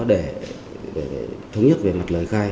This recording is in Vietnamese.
để thống nhất về mặt lời khai